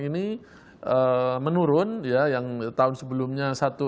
ini menurun ya yang tahun sebelumnya satu